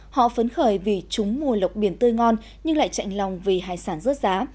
họ phấn khởi vì chúng mùa lộc biển tươi ngon nhưng lại chạy lòng vì hải sản rớt giá